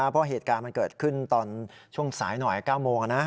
เพราะเหตุการณ์มันเกิดขึ้นตอนช่วงสายหน่อย๙โมง